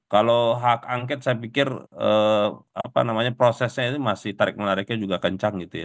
kalau hak angket saya pikir prosesnya ini masih tarik menariknya juga kencang gitu ya